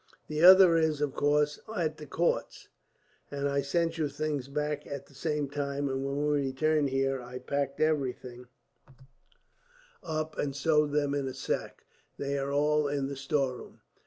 The other is, of course, at the count's. I sent your things back at the same time, and when we returned here I packed everything up and sewed them in a sack. They are all in the storeroom."